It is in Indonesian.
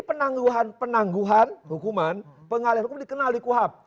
penangguhan penangguhan hukuman pengalih hukum dikenal di kuhap